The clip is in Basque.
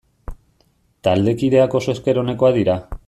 Taldekideak oso esker onekoak dira.